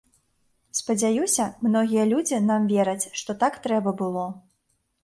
Спадзяюся, многія людзі нам вераць, што так трэба было.